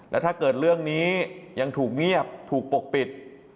แล้วถ้าเกิดเรื่องนี้ยังถูกเงียบถูกปกปิด